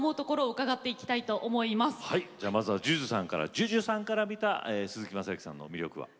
ＪＵＪＵさんから見た鈴木雅之さんの魅力は？